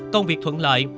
công việc thuận lợi